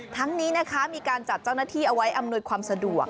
ทั้งนี้นะคะมีการจัดเจ้าหน้าที่เอาไว้อำนวยความสะดวก